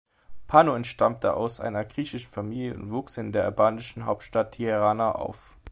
Pano entstammte einer griechischen Familie und wuchs in der albanischen Hauptstadt Tirana auf.